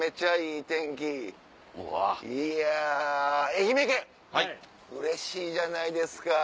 いや愛媛県うれしいじゃないですか。